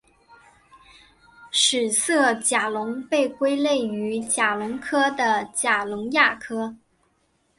史色甲龙被归类于甲龙科的甲龙亚科。